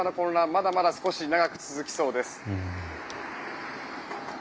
まだまだ少し長く続きそうです。